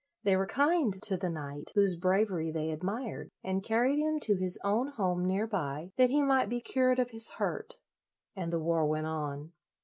They were kind to the knight, whose bravery they admired, and carried him to his own home near by, that he might be cured of his hurt, and the war went on.